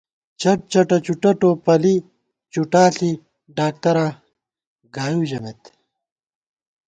چٹ چَٹہ چُٹہ ٹوپَلی، چُٹا ݪی ڈاکتراں گائیؤ ژَمېت